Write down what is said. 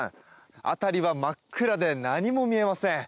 辺りは真っ暗で何も見えません。